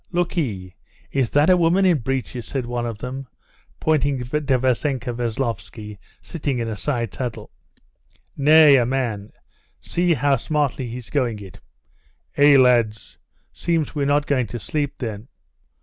"Look ee! Is that a woman in breeches?" said one of them, pointing to Vassenka Veslovsky sitting in a side saddle. "Nay, a man! See how smartly he's going it!" "Eh, lads! seems we're not going to sleep, then?"